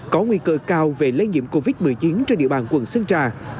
có nguy cơ cao về lây nhiễm covid một mươi chín trên địa bàn quận sơn trà